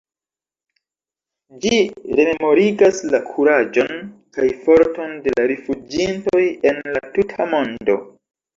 Ĝi rememorigas la kuraĝon kaj forton de la rifuĝintoj en la tuta mondo.